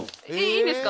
いいんですか？